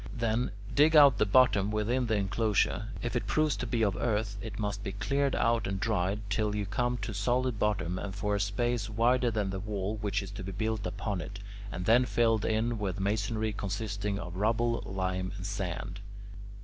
Then, dig out the bottom within the enclosure. If it proves to be of earth, it must be cleared out and dried till you come to solid bottom and for a space wider than the wall which is to be built upon it, and then filled in with masonry consisting of rubble, lime, and sand.